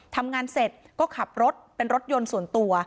ทำงานเสร็จก็ขับรถเป็นรถยนต์ส่วนตัว